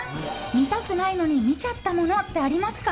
見たくないのに見ちゃったものってありますか？